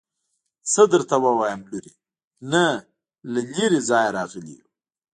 څه درته ووايم لورې نه له لرې ځايه راغلي يو.